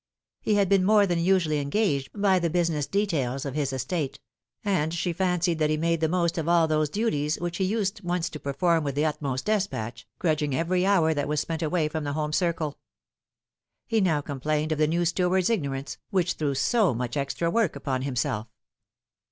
He had been more than usually engaged by the business details of his estate ; and she fancied that he made the most of all those duties which he used once to perform with the utmost despatch, grudging every hour that was spent away from the home circle. He now complained of the new steward's ignorance, which threw so much extra work upon himself.